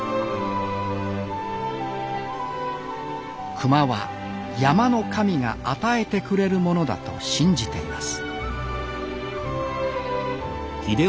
熊は山の神が与えてくれるものだと信じています